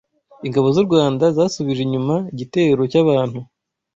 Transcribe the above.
Ingabo z’u Rwanda zasubije inyuma igitero cy’abantu